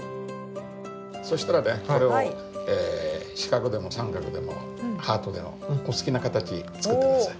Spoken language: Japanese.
そしたらねこれを四角でも三角でもハートでもお好きな形作って下さい。